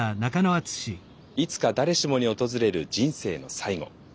いつか誰しもに訪れる人生の最期。